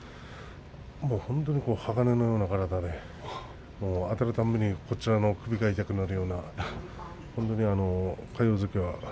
本当に鋼のような体であたるたびにこちらの首が痛くなるような魁皇関は。